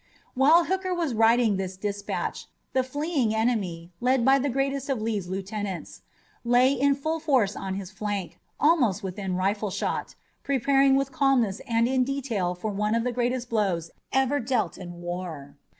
While Hooker was writing this dispatch the "fleeing enemy," led by the greatest of Lee's lieutenants, lay in full force on his flank, almost within rifle shot, preparing with calmness and in detail for one of the greatest blows ever dealt in war.